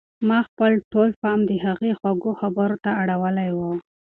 ما خپل ټول پام د هغې خوږو خبرو ته اړولی و.